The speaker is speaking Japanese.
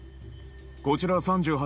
こちら３８